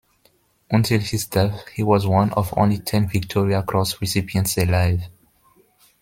Until his death, he was one of only ten Victoria Cross recipients alive.